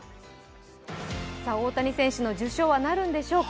大谷選手の受賞はなるんでしょうか。